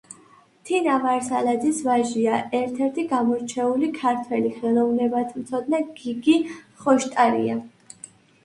თინა ვირსალაძის ვაჟია ერთ-ერთი გამორჩეული ქართველი ხელოვნებათმცოდნე გოგი ხოშტარია.